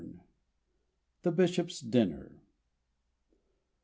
v;2 THE BISHOP'S DINNER.